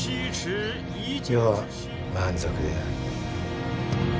余は満足である。